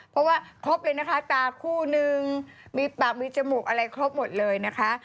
เพราะว่าครบเลยนะคะตาคู่นึงมีปากมีจมูกอะไรครบหมดเลยนะคะ